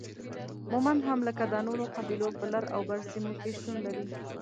مومند هم لکه دا نورو قبيلو په لر او بر سیمو کې شتون لري